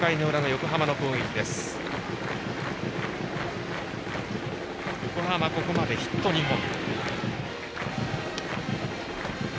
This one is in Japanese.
横浜、ここまでヒット２本。